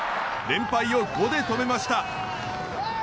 連敗を５で止めました。